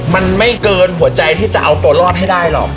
มันไม่เกินหัวใจที่จะเอาตัวรอดให้ได้หรอก